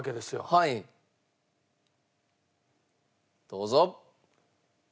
どうぞ。